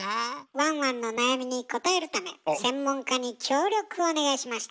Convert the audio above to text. ワンワンの悩みにこたえるため専門家に協力をお願いしました。